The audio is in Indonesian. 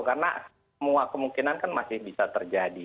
karena semua kemungkinan kan masih bisa terjadi